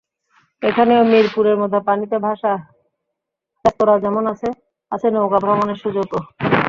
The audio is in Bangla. এখানেও মিরপুরের মতো পানিতে ভাসা রেস্তোরাঁ যেমন আছে, আছে নৌকাভ্রমণের সুযোগও।